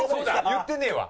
言ってねえわ。